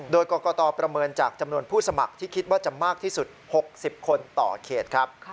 โดยกรกตประเมินจากจำนวนผู้สมัครที่คิดว่าจะมากที่สุด๖๐คนต่อเขตครับ